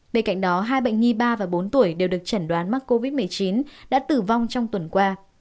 bên cạnh đó hai bệnh nhi ba và bốn tuổi đều được chẩn đoán mắc covid một mươi chín đã tử vong trong tuần qua